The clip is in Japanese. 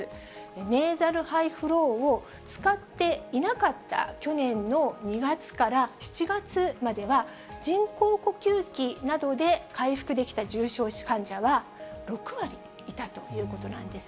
ネーザルハイフローを使っていなかった去年の２月から７月までは、人工呼吸器などで回復できた重症患者は６割いたということなんです。